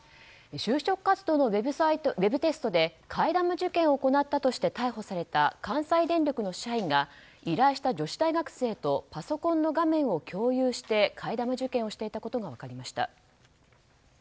就職活動のウェブテストで替え玉受験を行ったとして逮捕された関西電力の社員が依頼した女子大学生とパソコンの画面を共有して替え玉受験をしていたことが分かりました。